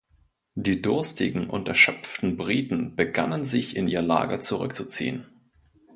Die durstigen und erschöpften Briten begannen, sich in ihr Lager zurückzuziehen.